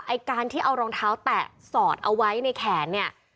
ไอ้การที่เอารองเท้าแตะสอดเอาไว้ในแขนเนี่ย